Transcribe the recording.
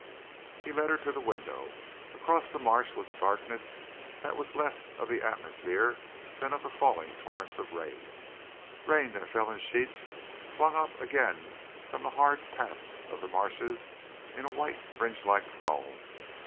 He led her to the window. Across the marsh was a darkness that was less of the atmosphere than of the falling torrents of rain, rain that fell in sheets, flung up again from the hard paths of the marshes in a white, fringe like foam.